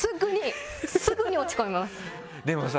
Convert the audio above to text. でもさ